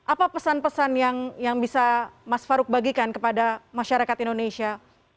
apa pesan pesan yang bisa mas farouk bagikan kepada masyarakat indonesia